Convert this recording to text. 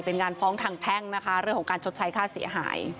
เป็นงานฟ้องทางแพ่งนะคะเรื่องของการชดใช้ค่าเสียหาย